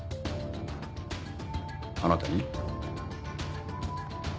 あなたに？